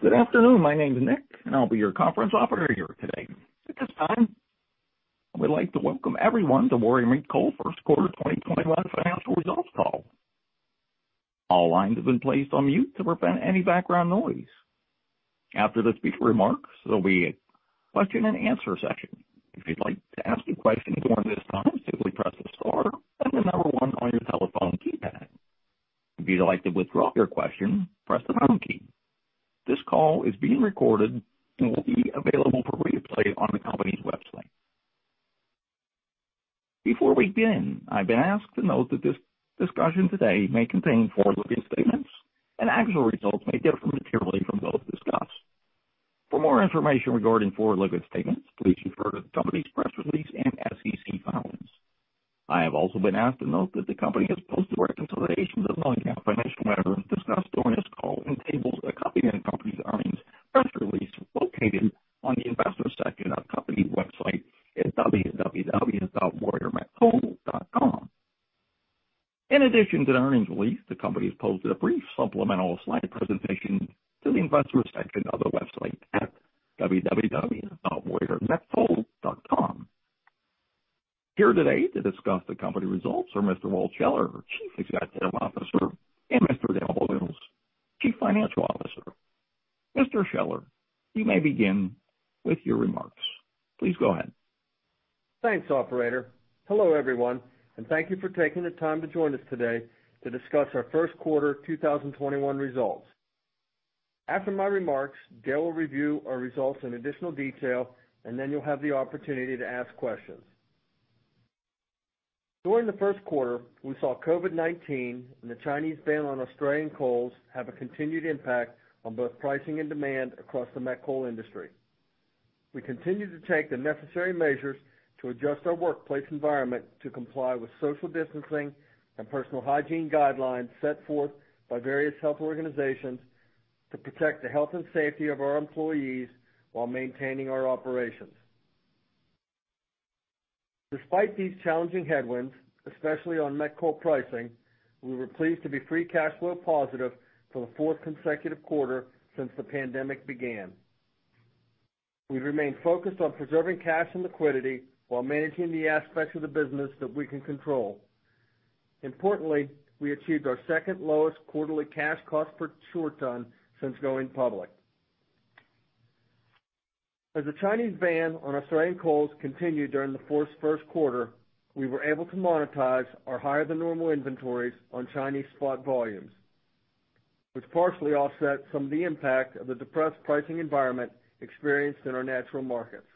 Good afternoon. My name is Nick, and I'll be your conference operator here today. At this time, I would like to welcome everyone to Warrior Met Coal First Quarter 2021 Financial Results call. All lines have been placed on mute to prevent any background noise. After the speaker remarks, there'll be a question and answer session. If you'd like to ask a question during this time, simply press star then the number one on your telephone keypad. If you'd like to withdraw your question, press the pound key. This call is being recorded and will be available for replay on the company's website. Before we begin, I've been asked to note that this discussion today may contain forward-looking statements and actual results may differ materially from those discussed. For more information regarding forward-looking statements, please refer to the company's press release and SEC filings. I have also been asked to note that the company has posted a reconciliation of non-GAAP financial matter discussed during this call in tables accompanying the company's earnings press release located on the investor section of company website at www.warriormetcoal.com. In addition to the earnings release, the company has posted a brief supplemental slide presentation to the investor section of the website at www.warriormetcoal.com. Here today to discuss the company results are Mr. Walter Scheller, our Chief Executive Officer, and Mr. Dale Boyles, Chief Financial Officer. Mr. Scheller, you may begin with your remarks. Please go ahead. Thanks, operator. Hello, everyone. Thank you for taking the time to join us today to discuss our first quarter 2021 results. After my remarks, Dale will review our results in additional detail. Then you'll have the opportunity to ask questions. During the first quarter, we saw COVID-19 and the Chinese ban on Australian coals have a continued impact on both pricing and demand across the met coal industry. We continued to take the necessary measures to adjust our workplace environment to comply with social distancing and personal hygiene guidelines set forth by various health organizations to protect the health and safety of our employees while maintaining our operations. Despite these challenging headwinds, especially on met coal pricing, we were pleased to be free cash flow positive for the fourth consecutive quarter since the pandemic began. We remain focused on preserving cash and liquidity while managing the aspects of the business that we can control. Importantly, we achieved our second lowest quarterly cash cost per short ton since going public. As the Chinese ban on Australian coals continued during the first quarter, we were able to monetize our higher than normal inventories on Chinese spot volumes, which partially offset some of the impact of the depressed pricing environment experienced in our natural markets.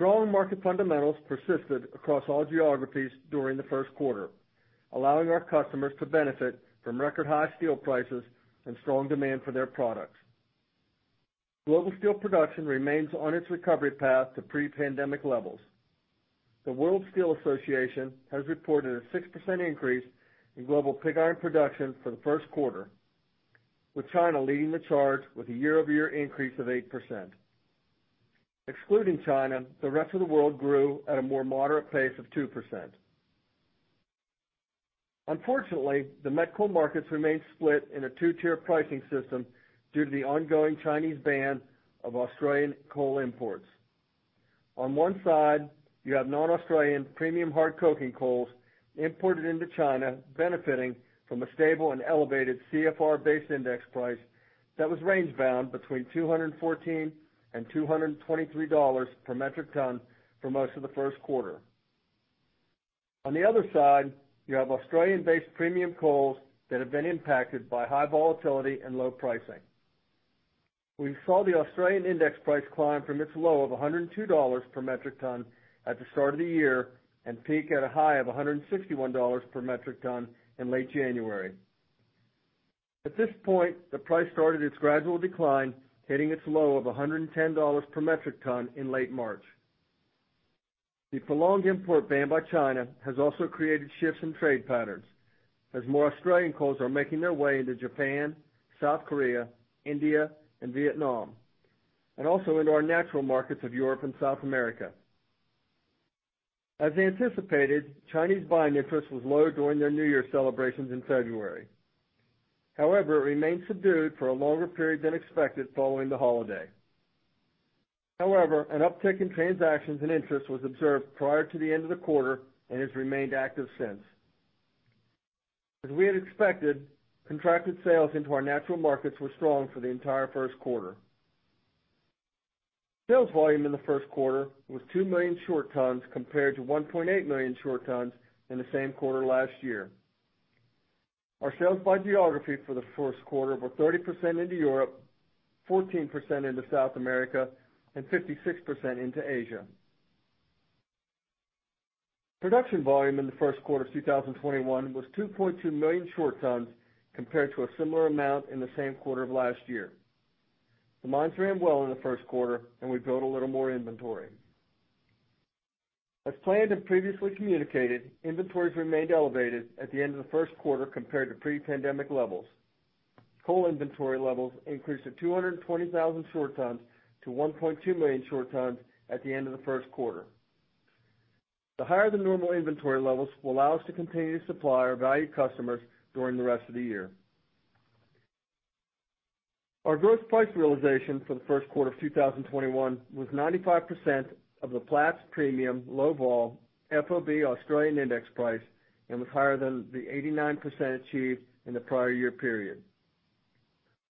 Growing market fundamentals persisted across all geographies during the first quarter, allowing our customers to benefit from record high steel prices and strong demand for their products. Global steel production remains on its recovery path to pre-pandemic levels. The World Steel Association has reported a 6% increase in global pig iron production for the first quarter, with China leading the charge with a year-over-year increase of 8%. Excluding China, the rest of the world grew at a more moderate pace of 2%. Unfortunately, the met coal markets remain split in a two-tier pricing system due to the ongoing Chinese ban of Australian coal imports. On one side, you have non-Australian premium hard coking coals imported into China benefiting from a stable and elevated CFR base index price that was range bound between $214 and $223 per metric ton for most of the first quarter. On the other side, you have Australian-based premium coals that have been impacted by high volatility and low pricing. We saw the Australian index price climb from its low of $102 per metric ton at the start of the year and peak at a high of $161 per metric ton in late January. At this point, the price started its gradual decline, hitting its low of $110 per metric ton in late March. The prolonged import ban by China has also created shifts in trade patterns as more Australian coals are making their way into Japan, South Korea, India, and Vietnam, and also into our natural markets of Europe and South America. As anticipated, Chinese buying interest was low during their New Year celebrations in February. It remained subdued for a longer period than expected following the holiday. An uptick in transactions and interest was observed prior to the end of the quarter and has remained active since. As we had expected, contracted sales into our natural markets were strong for the entire first quarter. Sales volume in the first quarter was 2 million short tons compared to 1.8 million short tons in the same quarter last year. Our sales by geography for the first quarter were 30% into Europe, 14% into South America, and 56% into Asia. Production volume in the first quarter of 2021 was 2.2 million short tons compared to a similar amount in the same quarter of last year. The mines ran well in the first quarter and we built a little more inventory. As planned and previously communicated, inventories remained elevated at the end of the first quarter compared to pre-pandemic levels. Coal inventory levels increased to 220,000 short tons-1.2 million short tons at the end of the first quarter. The higher than normal inventory levels will allow us to continue to supply our valued customers during the rest of the year. Our gross price realization for the first quarter of 2021 was 95% of the Platts premium low vol FOB Australian index price and was higher than the 89% achieved in the prior year period.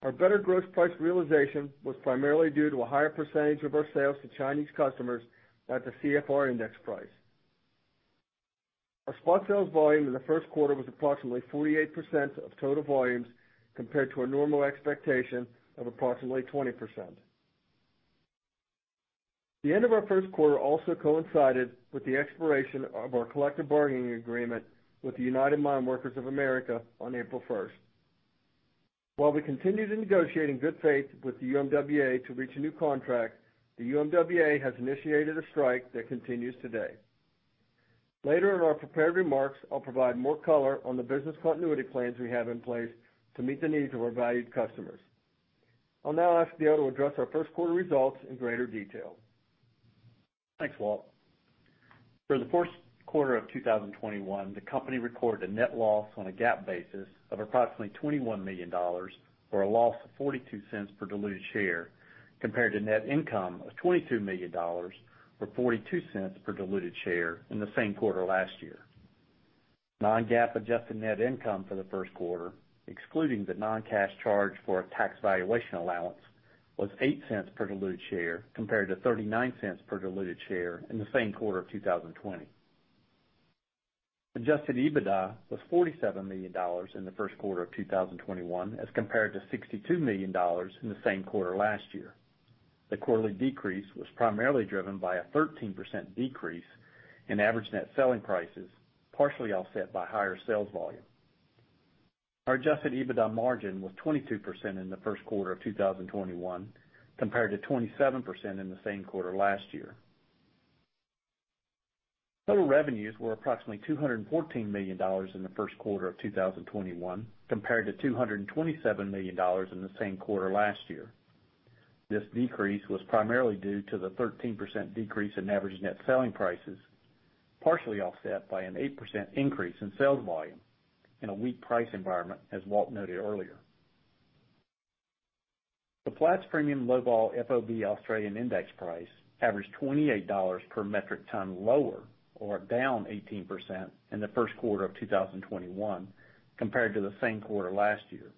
Our better gross price realization was primarily due to a higher percentage of our sales to Chinese customers at the CFR index price. Our spot sales volume in the first quarter was approximately 48% of total volumes, compared to a normal expectation of approximately 20%. The end of our first quarter also coincided with the expiration of our collective bargaining agreement with the United Mine Workers of America on April 1st. While we continued to negotiate in good faith with the UMWA to reach a new contract, the UMWA has initiated a strike that continues today. Later in our prepared remarks, I'll provide more color on the business continuity plans we have in place to meet the needs of our valued customers. I'll now ask Dale W. Boyles to address our first quarter results in greater detail. Thanks, Walt. For the first quarter of 2021, the company recorded a net loss on a GAAP basis of approximately $21 million, or a loss of $0.42 per diluted share, compared to net income of $22 million, or $0.42 per diluted share in the same quarter last year. Non-GAAP adjusted net income for the first quarter, excluding the non-cash charge for a tax valuation allowance, was $0.08 per diluted share compared to $0.39 per diluted share in the same quarter of 2020. Adjusted EBITDA was $47 million in the first quarter of 2021 as compared to $62 million in the same quarter last year. The quarterly decrease was primarily driven by a 13% decrease in average net selling prices, partially offset by higher sales volume. Our adjusted EBITDA margin was 22% in the first quarter of 2021, compared to 27% in the same quarter last year. Total revenues were approximately $214 million in the first quarter of 2021, compared to $227 million in the same quarter last year. This decrease was primarily due to the 13% decrease in average net selling prices, partially offset by an 8% increase in sales volume in a weak price environment, as Walt noted earlier. The Platts premium low vol FOB Australian index price averaged $28 per metric ton lower, or down 18%, in the first quarter of 2021 compared to the same quarter last year.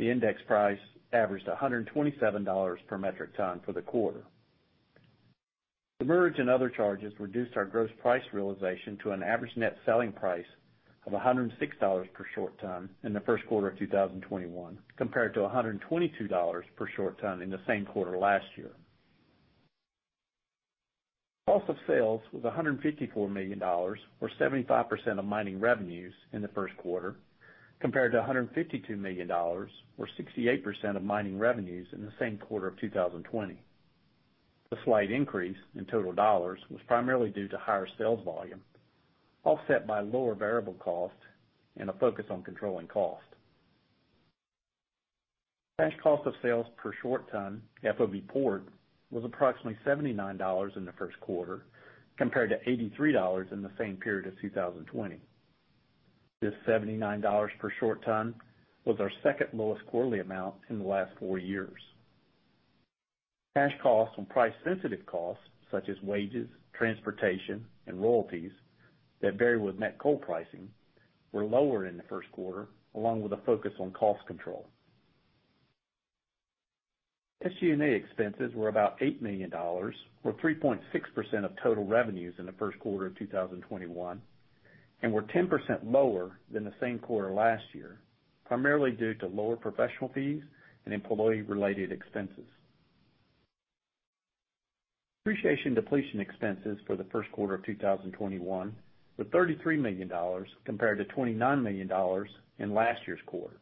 The index price averaged $127 per metric ton for the quarter. The demurrage and other charges reduced our gross price realization to an average net selling price of $106 per short ton in the first quarter of 2021, compared to $122 per short ton in the same quarter last year. Cost of sales was $154 million, or 75% of mining revenues in the first quarter, compared to $152 million, or 68% of mining revenues in the same quarter of 2020. The slight increase in total dollars was primarily due to higher sales volume, offset by lower variable costs and a focus on controlling cost. Cash cost of sales per short ton FOB port was approximately $79 in the first quarter, compared to $83 in the same period of 2020. This $79 per short ton was our second lowest quarterly amount in the last four years. Cash costs on price sensitive costs such as wages, transportation, and royalties that vary with met coal pricing, were lower in the first quarter, along with a focus on cost control. SG&A expenses were about $8 million, or 3.6% of total revenues in the first quarter of 2021, and were 10% lower than the same quarter last year, primarily due to lower professional fees and employee-related expenses. Depreciation depletion expenses for the first quarter of 2021 were $33 million, compared to $29 million in last year's quarter.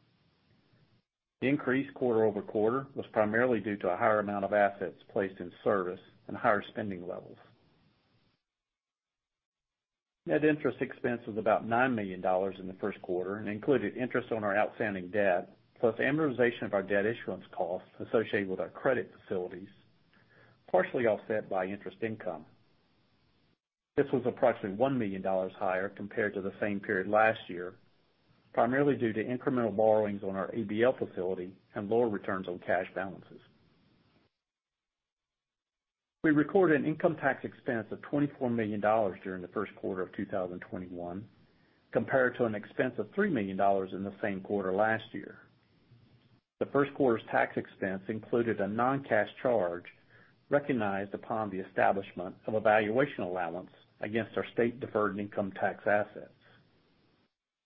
The increase quarter-over-quarter was primarily due to a higher amount of assets placed in service and higher spending levels. Net interest expense was about $9 million in the first quarter and included interest on our outstanding debt, plus amortization of our debt issuance costs associated with our credit facilities, partially offset by interest income. This was approximately $1 million higher compared to the same period last year, primarily due to incremental borrowings on our ABL facility and lower returns on cash balances. We recorded an income tax expense of $24 million during the first quarter of 2021, compared to an expense of $3 million in the same quarter last year. The first quarter's tax expense included a non-cash charge recognized upon the establishment of a valuation allowance against our state deferred income tax assets.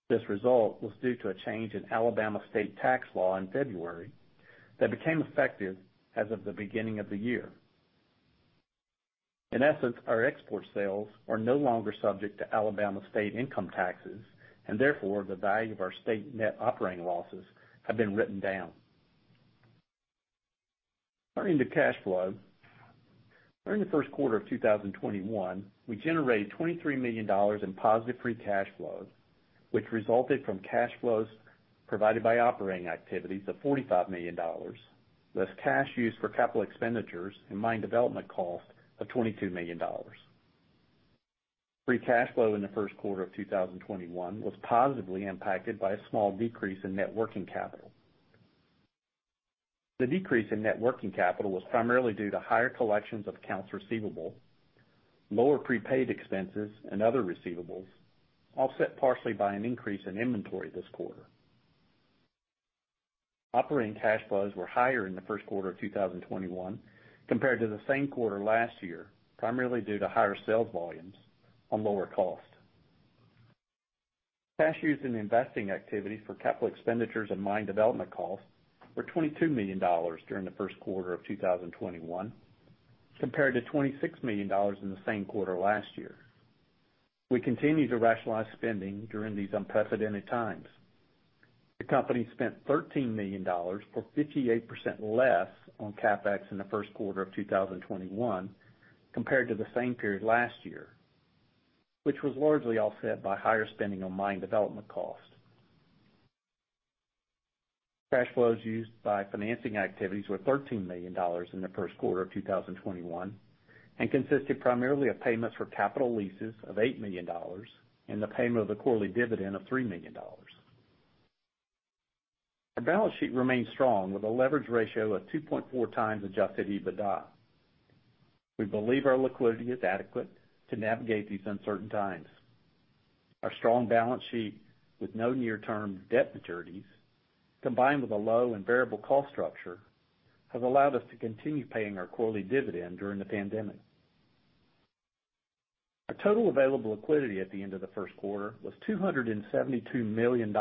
This result was due to a change in Alabama state tax law in February that became effective as of the beginning of the year. In essence, our export sales are no longer subject to Alabama state income taxes, and therefore, the value of our state net operating losses have been written down. Turning to cash flow. During the first quarter of 2021, we generated $23 million in positive free cash flow, which resulted from cash flows provided by operating activities of $45 million, less cash used for capital expenditures and mine development cost of $22 million. Free cash flow in the first quarter of 2021 was positively impacted by a small decrease in net working capital. The decrease in net working capital was primarily due to higher collections of accounts receivable, lower prepaid expenses and other receivables, offset partially by an increase in inventory this quarter. Operating cash flows were higher in the first quarter of 2021 compared to the same quarter last year, primarily due to higher sales volumes on lower cost. Cash used in investing activities for capital expenditures and mine development costs were $22 million during the first quarter of 2021, compared to $26 million in the same quarter last year. We continue to rationalize spending during these unprecedented times. The company spent $13 million, or 58% less, on CapEx in the first quarter of 2021 compared to the same period last year, which was largely offset by higher spending on mine development cost. Cash flows used by financing activities were $13 million in the first quarter of 2021, and consisted primarily of payments for capital leases of $8 million and the payment of the quarterly dividend of $3 million. Our balance sheet remains strong with a leverage ratio of 2.4 times adjusted EBITDA. We believe our liquidity is adequate to navigate these uncertain times. Our strong balance sheet, with no near-term debt maturities, combined with a low and variable cost structure, has allowed us to continue paying our quarterly dividend during the pandemic. Our total available liquidity at the end of the first quarter was $272 million,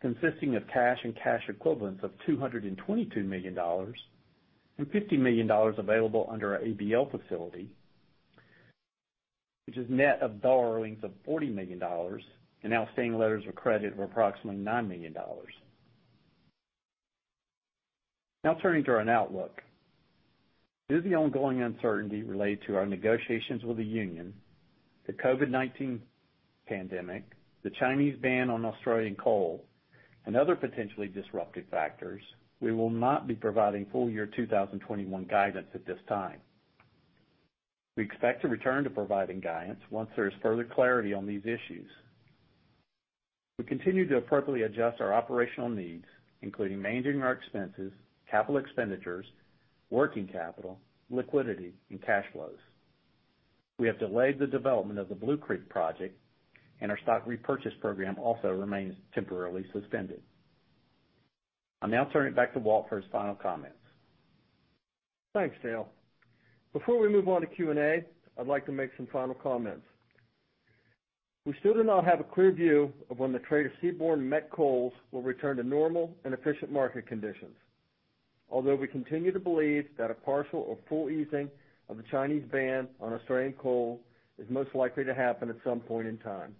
consisting of cash and cash equivalents of $222 million and $50 million available under our ABL facility, which is net of borrowings of $40 million and outstanding letters of credit of approximately $9 million. Turning to our outlook. Due to the ongoing uncertainty related to our negotiations with the union, the COVID-19 pandemic, the Chinese ban on Australian coal, and other potentially disruptive factors, we will not be providing full year 2021 guidance at this time. We expect to return to providing guidance once there is further clarity on these issues. We continue to appropriately adjust our operational needs, including managing our expenses, capital expenditures, working capital, liquidity, and cash flows. We have delayed the development of the Blue Creek Project, and our stock repurchase program also remains temporarily suspended. I'll now turn it back to Walt for his final comments. Thanks, Dale. Before we move on to Q&A, I'd like to make some final comments. We still do not have a clear view of when the trade of seaborne met coals will return to normal and efficient market conditions, although we continue to believe that a partial or full easing of the Chinese ban on Australian coal is most likely to happen at some point in time.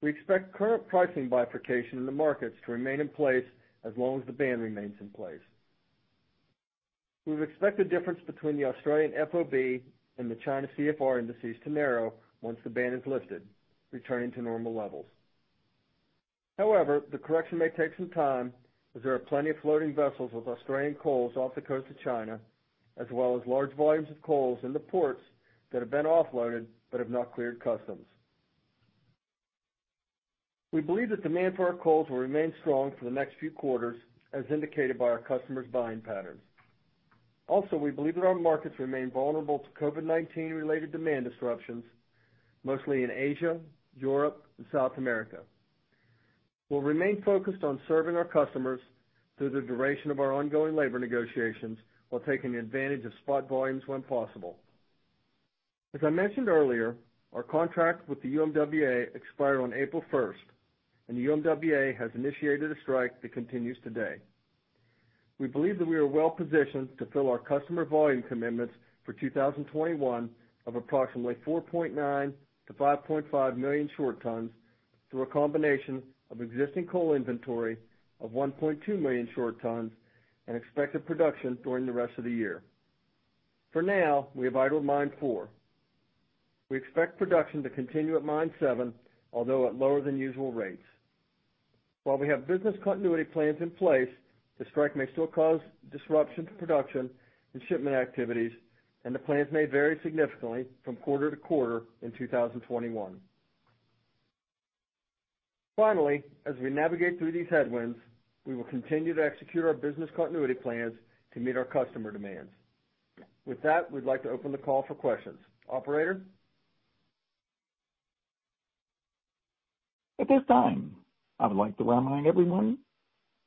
We expect current pricing bifurcation in the markets to remain in place as long as the ban remains in place. We would expect the difference between the Australian FOB and the China CFR indices to narrow once the ban is lifted, returning to normal levels. However, the correction may take some time as there are plenty of floating vessels with Australian coals off the coast of China, as well as large volumes of coals in the ports that have been offloaded but have not cleared customs. We believe that demand for our coals will remain strong for the next few quarters, as indicated by our customers' buying patterns. We believe that our markets remain vulnerable to COVID-19 related demand disruptions, mostly in Asia, Europe, and South America. We'll remain focused on serving our customers through the duration of our ongoing labor negotiations while taking advantage of spot volumes when possible. As I mentioned earlier, our contract with the UMWA expired on April 1st, and the UMWA has initiated a strike that continues today. We believe that we are well-positioned to fill our customer volume commitments for 2021 of approximately 4.9 million short tons-5.5 million short tons through a combination of existing coal inventory of 1.2 million short tons and expected production during the rest of the year. For now, we have idled Mine four. We expect production to continue at Mine seven, although at lower than usual rates. While we have business continuity plans in place, the strike may still cause disruption to production and shipment activities, and the plans may vary significantly from quarter to quarter in 2021. Finally, as we navigate through these headwinds, we will continue to execute our business continuity plans to meet our customer demands. With that, we'd like to open the call for questions. Operator? At this time, I would like to remind everyone,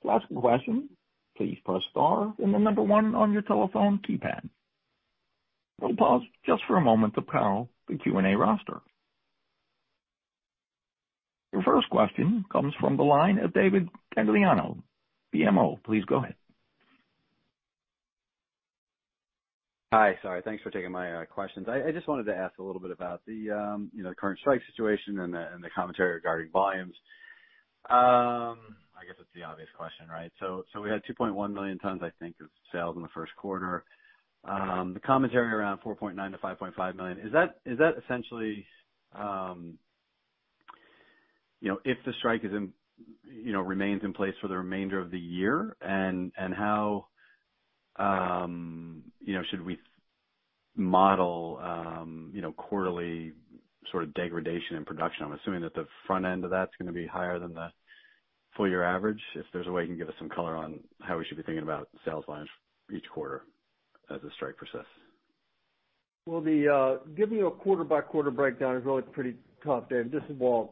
to ask a question, please press star and the number 1 on your telephone keypad. We'll pause just for a moment to prepare the Q&A roster. Your first question comes from the line of David Gagliano, BMO. Please go ahead. Hi. Sorry. Thanks for taking my questions. I just wanted to ask a little bit about the current strike situation and the commentary regarding volumes. I guess it's the obvious question, right? We had 2.1 million tons, I think, of sales in the first quarter. The commentary around 4.9 million tons-5.5 million tons. Is that essentially, if the strike remains in place for the remainder of the year, and how should we model quarterly degradation in production? I'm assuming that the front end of that's going to be higher than the full year average. If there's a way you can give us some color on how we should be thinking about sales lines each quarter as the strike persists. Well, giving you a quarter-by-quarter breakdown is really pretty tough, Dave. This is Walt.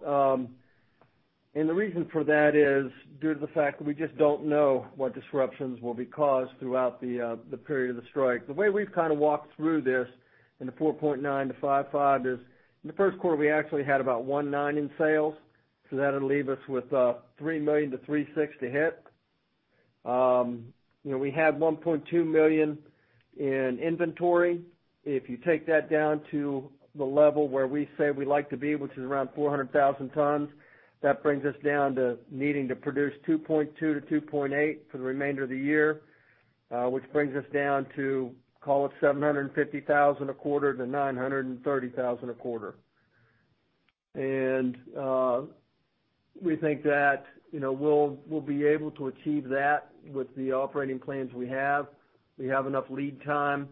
The reason for that is due to the fact that we just don't know what disruptions will be caused throughout the period of the strike. The way we've kind of walked through this in the 4.9-5.5 is, in the first quarter, we actually had about 1.9 in sales. That'll leave us with 3 million to 3.6 to hit. We had 1.2 million in inventory. If you take that down to the level where we say we like to be, which is around 400,000 tons, that brings us down to needing to produce 2.2-2.8 for the remainder of the year, which brings us down to, call it 750,000 a quarter to 930,000 a quarter. We think that we'll be able to achieve that with the operating plans we have. We have enough lead time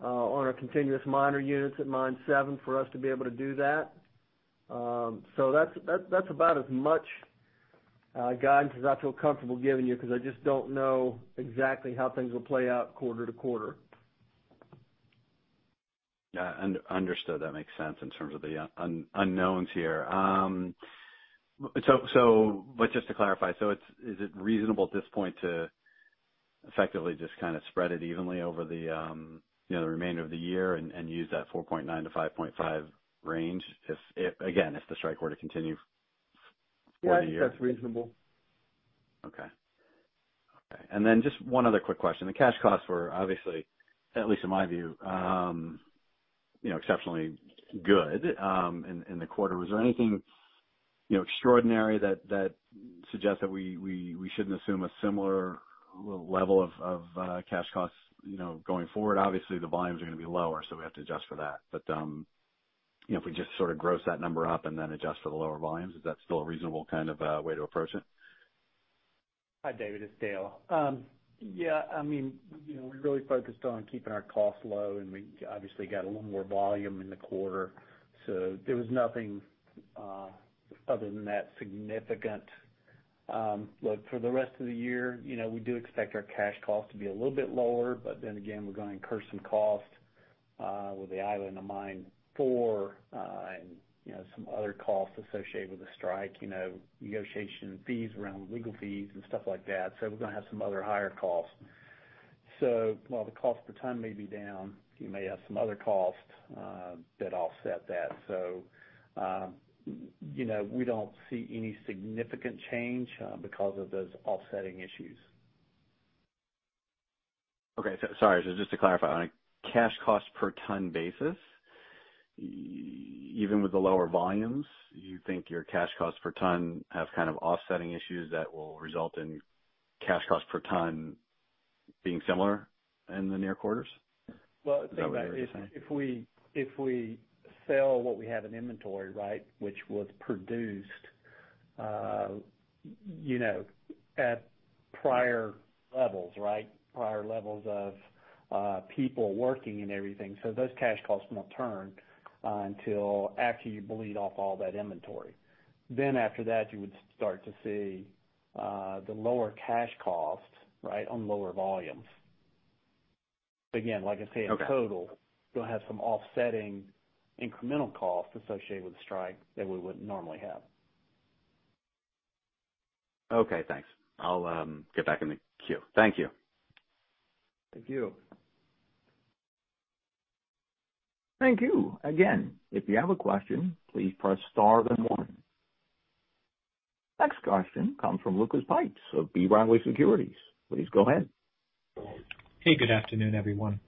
on our continuous miner units at Mine seven for us to be able to do that. That's about as much guidance as I feel comfortable giving you because I just don't know exactly how things will play out quarter to quarter. Yeah. Understood. That makes sense in terms of the unknowns here. Just to clarify, is it reasonable at this point to effectively just kind of spread it evenly over the remainder of the year and use that 4.9-5.5 range, again, if the strike were to continue for the year? Yes, that's reasonable. Okay. Just one other quick question. The cash costs were obviously, at least in my view, exceptionally good in the quarter. Was there anything extraordinary that suggests that we shouldn't assume a similar level of cash costs going forward? Obviously, the volumes are going to be lower, we have to adjust for that. If we just sort of gross that number up and adjust for the lower volumes, is that still a reasonable kind of way to approach it? Hi, David, it's Dale. Yeah, we really focused on keeping our costs low, and we obviously got a little more volume in the quarter. There was nothing, other than that, significant. Look, for the rest of the year, we do expect our cash cost to be a little bit lower. Again, we're going to incur some costs with the idling of Mine four, and some other costs associated with the strike, negotiation fees around legal fees and stuff like that. We're going to have some other higher costs. While the cost per ton may be down, you may have some other costs that offset that. We don't see any significant change because of those offsetting issues. Okay. Sorry. Just to clarify, on a cash cost per ton basis, even with the lower volumes, you think your cash costs per ton have kind of offsetting issues that will result in cash cost per ton being similar in the near quarters? Is that what you're saying? Well, think about it. If we sell what we have in inventory, which was produced at prior levels, prior levels of people working and everything. Those cash costs will not turn until after you bleed off all that inventory. After that, you would start to see the lower cash cost on lower volumes. Okay In total, you'll have some offsetting incremental costs associated with the strike that we wouldn't normally have. Okay, thanks. I'll get back in the queue. Thank you. Thank you. Thank you. Again, if you have a question, please press star then one. Next question comes from Lucas Pipes of B. Riley Securities. Please go ahead. Hey, good afternoon, everyone.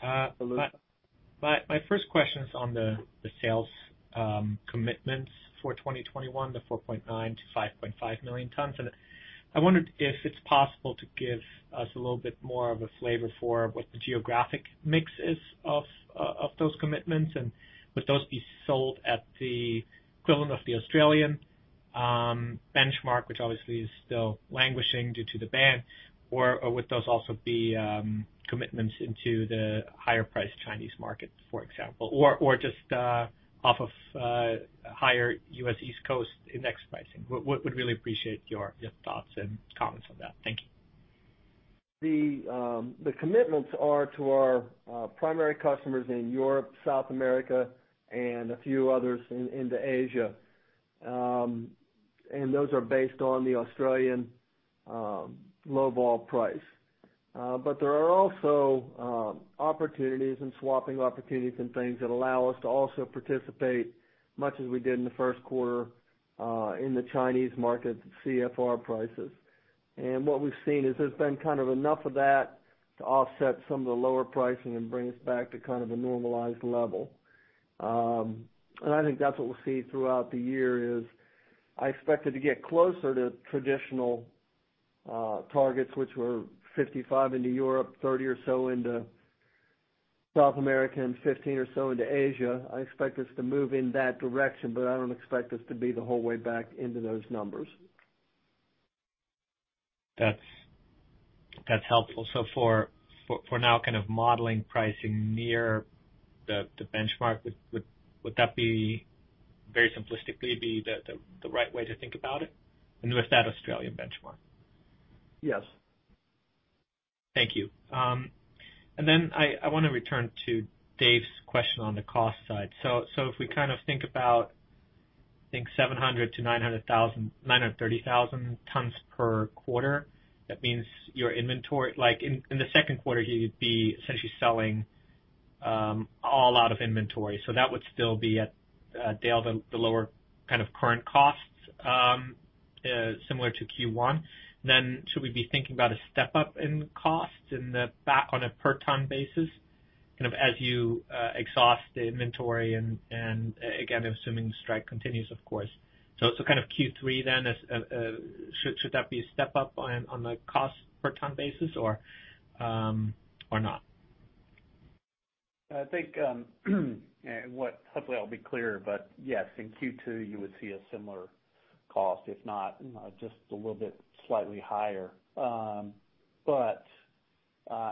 Hello. My first question is on the sales commitments for 2021, the 4.9 million-5.5 million tons. I wondered if it's possible to give us a little bit more of a flavor for what the geographic mix is of those commitments, and would those be sold at the equivalent of the Australian benchmark, which obviously is still languishing due to the ban, or would those also be commitments into the higher priced Chinese market, for example? Or just off of higher U.S. East Coast index pricing. Would really appreciate your thoughts and comments on that. Thank you. The commitments are to our primary customers in Europe, South America, and a few others into Asia. Those are based on the Australian low vol price. There are also opportunities and swapping opportunities and things that allow us to also participate, much as we did in the first quarter, in the Chinese market CFR prices. What we've seen is there's been kind of enough of that to offset some of the lower pricing and bring us back to kind of a normalized level. I think that's what we'll see throughout the year is I expect it to get closer to traditional targets, which were 55 into Europe, 30 or so into South America, and 15 or so into Asia. I expect us to move in that direction, but I don't expect us to be the whole way back into those numbers. That's helpful. For now kind of modeling pricing near the benchmark, would that very simplistically be the right way to think about it? With that Australian benchmark? Yes. Thank you. I want to return to Dave's question on the cost side. If we think about, I think 700-930,000 tons per quarter, that means your inventory, in the second quarter, you'd be essentially selling all out of inventory. That would still be at, Dale, the lower kind of current costs, similar to Q1. Should we be thinking about a step-up in cost in the back on a per ton basis as you exhaust the inventory and, again, assuming the strike continues, of course. Q3 then, should that be a step-up on the cost per ton basis or not? I think and hopefully I'll be clearer, yes, in Q2 you would see a similar cost, if not just a little bit slightly higher.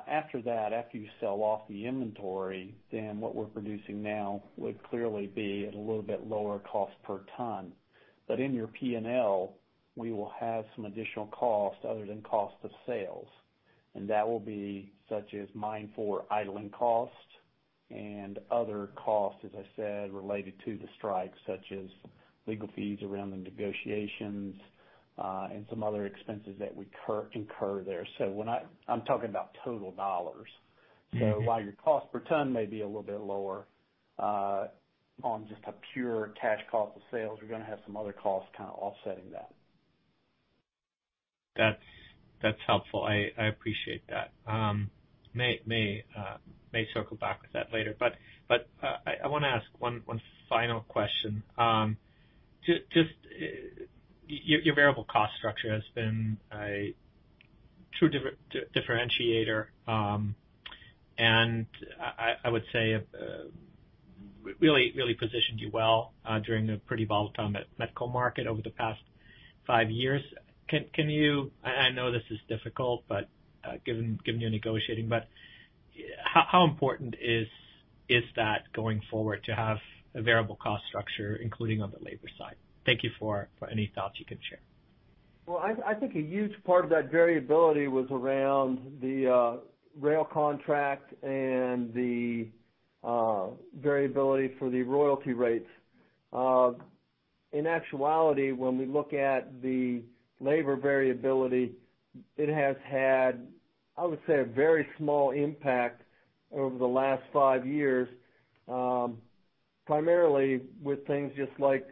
After that, after you sell off the inventory, what we're producing now would clearly be at a little bit lower cost per ton. In your P&L, we will have some additional costs other than cost of sales, and that will be such as mine idling costs and other costs, as I said, related to the strike, such as legal fees around the negotiations, and some other expenses that we incur there. I'm talking about total dollars. While your cost per ton may be a little bit lower on just a pure cash cost of sales, we're going to have some other costs kind of offsetting that. That's helpful. I appreciate that. May circle back with that later. I want to ask one final question. Your variable cost structure has been a true differentiator, and I would say really positioned you well during a pretty volatile met coal market over the past five years. I know this is difficult, given you're negotiating, but how important is that going forward to have a variable cost structure, including on the labor side? Thank you for any thoughts you can share. Well, I think a huge part of that variability was around the rail contract and the variability for the royalty rates. In actuality, when we look at the labor variability, it has had, I would say, a very small impact over the last five years, primarily with things just like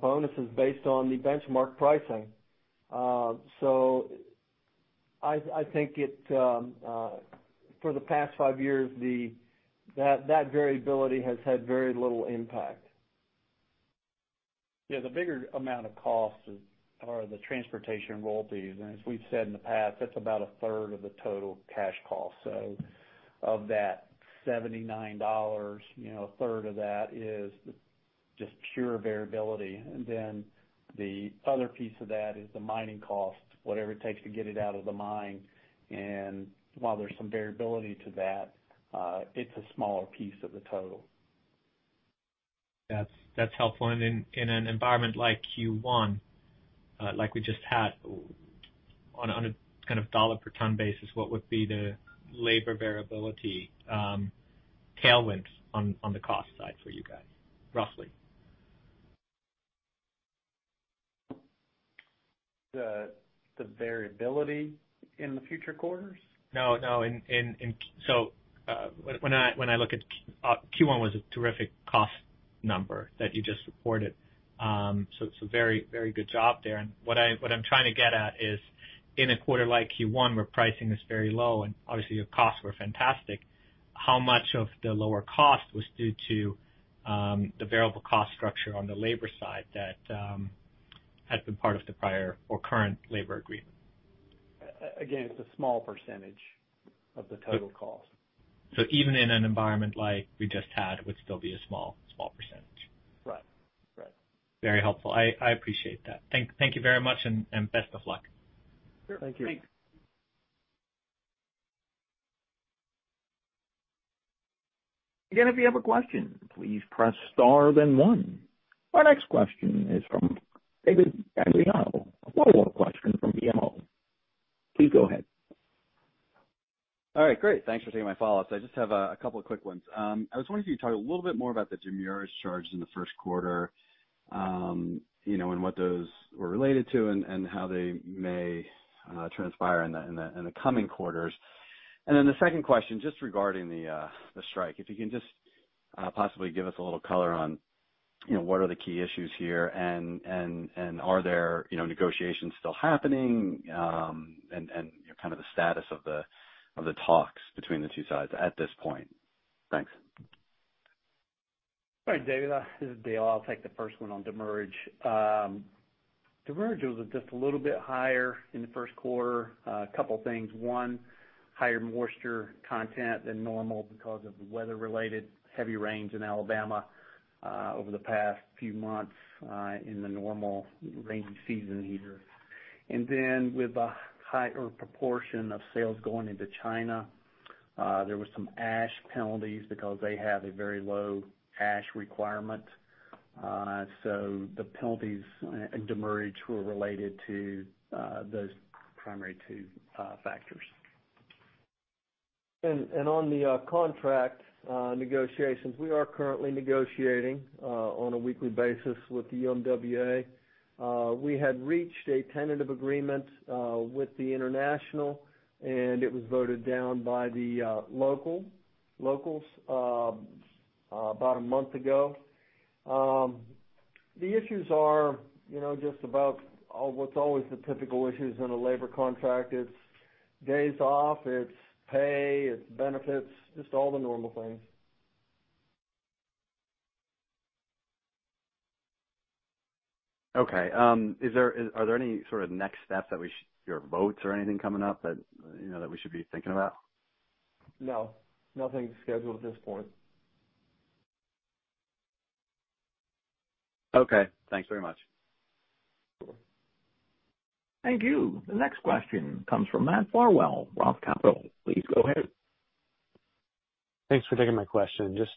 bonuses based on the benchmark pricing. I think for the past five years, that variability has had very little impact. The bigger amount of costs are the transportation royalties, and as we've said in the past, that's about a third of the total cash cost. Of that $79, a third of that is just pure variability. The other piece of that is the mining cost, whatever it takes to get it out of the mine. While there's some variability to that, it's a smaller piece of the total. That's helpful. In an environment like Q1, like we just had, on a kind of dollar per ton basis, what would be the labor variability tailwinds on the cost side for you guys, roughly? The variability in the future quarters? Q1 was a terrific cost number that you just reported. It's a very good job there. What I'm trying to get at is in a quarter like Q1, where pricing is very low and obviously your costs were fantastic, how much of the lower cost was due to the variable cost structure on the labor side that had been part of the prior or current labor agreement? Again, it's a small percentage of the total cost. Even in an environment like we just had, it would still be a small percentage. Right. Very helpful. I appreciate that. Thank you very much, and best of luck. Sure. Thank you. Thanks. Again, if you have a question, please press star then one. Our next question is from David Gagliano. A follow-up question from BMO. Please go ahead. All right, great. Thanks for taking my follow-ups. I just have a couple of quick ones. I was wondering if you could talk a little bit more about the demurrage charged in the first quarter, and what those were related to, and how they may transpire in the coming quarters. The second question, just regarding the strike, if you can just possibly give us a little color on what are the key issues here? Are there negotiations still happening? The status of the talks between the two sides at this point. Thanks. All right, David, this is Dale. I'll take the first one on demurrage. Demurrage was just a little bit higher in the first quarter. Two things. One, higher moisture content than normal because of weather-related heavy rains in Alabama over the past few months in the normal rainy season here. With a higher proportion of sales going into China, there was some ash penalties because they have a very low ash requirement. The penalties and demurrage were related to those primary two factors. On the contract negotiations, we are currently negotiating on a weekly basis with the UMWA. We had reached a tentative agreement with the international, and it was voted down by the locals about a month ago. The issues are just about what's always the typical issues in a labor contract. It's days off, it's pay, it's benefits, just all the normal things. Okay. Are there any sort of next steps, votes or anything coming up that we should be thinking about? No. Nothing scheduled at this point. Okay. Thanks very much. Sure. Thank you. The next question comes from Matt Farwell, Roth Capital. Please go ahead. Thanks for taking my question. Just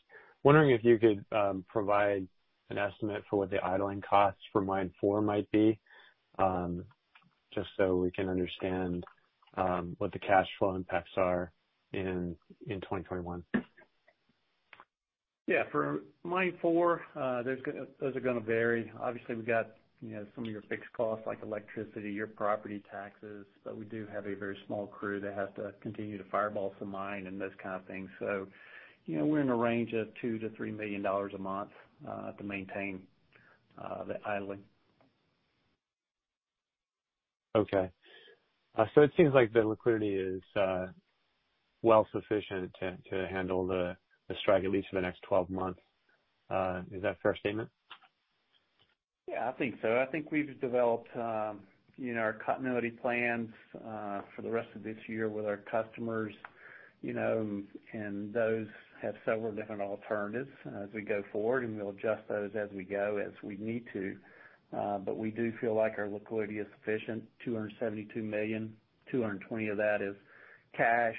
wondering if you could provide an estimate for what the idling costs for Mine four might be, just so we can understand what the cash flow impacts are in 2021? Yeah. For Mine four, those are going to vary. Obviously, we've got some of your fixed costs, like electricity, your property taxes, but we do have a very small crew that has to continue to fireboss the mine and those kind of things. We're in a range of $2 million-$3 million a month to maintain the idling. Okay. It seems like the liquidity is well sufficient to handle the strike, at least for the next 12 months. Is that a fair statement? Yeah, I think so. I think we've developed our continuity plans for the rest of this year with our customers. Those have several different alternatives as we go forward. We'll adjust those as we go, as we need to. We do feel like our liquidity is sufficient, $272 million, $220 of that is cash.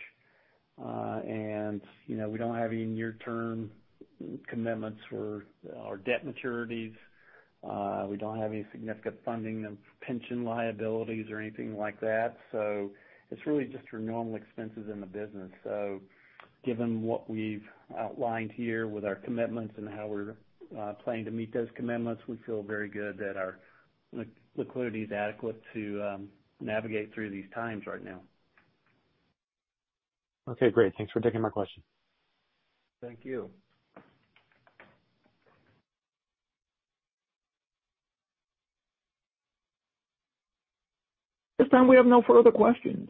We don't have any near-term commitments for our debt maturities. We don't have any significant funding pension liabilities or anything like that. It's really just your normal expenses in the business. Given what we've outlined here with our commitments and how we're planning to meet those commitments, we feel very good that our liquidity is adequate to navigate through these times right now. Okay, great. Thanks for taking my question. Thank you. At this time, we have no further questions.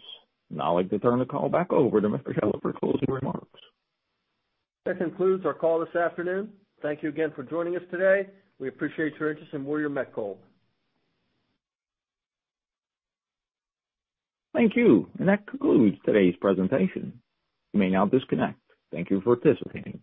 Now I'd like to turn the call back over to Mr. Scheller for closing remarks. That concludes our call this afternoon. Thank you again for joining us today. We appreciate your interest in Warrior Met Coal. Thank you. That concludes today's presentation. You may now disconnect. Thank you for participating.